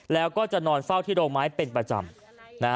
แล้วก็จะนอนเฝ้าที่โรงไม้เป็นประจำ